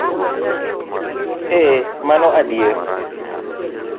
Ee, mano adier!